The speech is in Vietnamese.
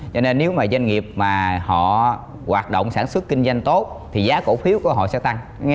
cho nên nếu mà doanh nghiệp mà họ hoạt động sản xuất kinh doanh tốt thì giá cổ phiếu của họ sẽ tăng